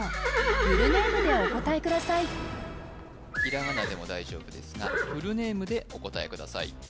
フルネームでお答えくださいひらがなでも大丈夫ですがフルネームでお答えください